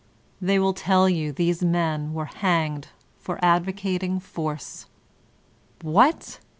They will tell you these men were hanged for ad vocating force. What